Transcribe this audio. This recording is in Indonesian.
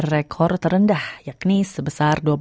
rekor terendah yakni sebesar